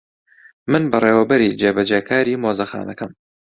من بەڕێوەبەری جێبەجێکاری مۆزەخانەکەم.